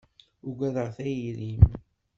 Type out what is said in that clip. Ugadeɣ tayri-m.